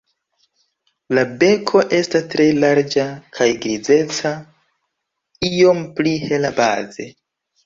La beko estas tre larĝa kaj grizeca, iom pli hela baze.